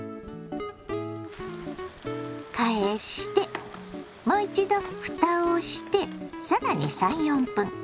返してもう一度ふたをして更に３４分。